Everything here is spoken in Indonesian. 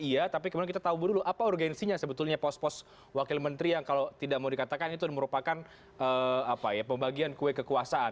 iya tapi kemudian kita tahu dulu apa urgensinya sebetulnya pos pos wakil menteri yang kalau tidak mau dikatakan itu merupakan pembagian kue kekuasaan